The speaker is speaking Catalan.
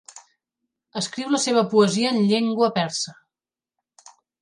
Escriu la seva poesia en llengua persa.